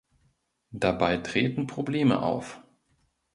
Dabei treten Probleme auf.